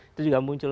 itu juga muncul